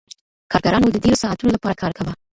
کارګرانو د ډیرو ساعتونو لپاره کار کاوه.